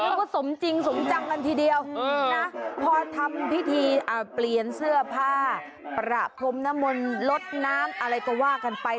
แล้วก็สมจริงสมจังกันทีเดียวนะพอทำพิธีเปลี่ยนเสื้อผ้าประพรมนมลลดน้ำอะไรก็ว่ากันไป